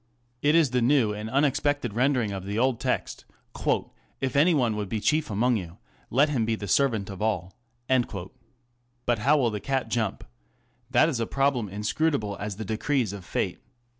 It is the new and unexpected rendering of the old text ŌĆö " If any one would be chief among you, let him be the servant of all/' But how will the cat jump ? That is a problem inscrutable as the decrees of Fate.